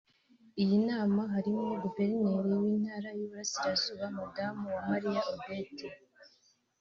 Iyi nama harimo Guverineri w’Intara y’Iburasirazuba Madamu Uwamariya Odette